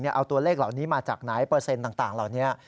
เอาตัวเลขเหล่านี้มาจากไหนเปอร์เซ็นต์ต่างเหล่านี้